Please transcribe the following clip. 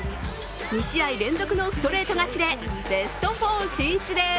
２試合連続のストレート勝ちでベスト４進出です。